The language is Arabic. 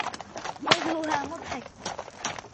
وجهها مضحِك.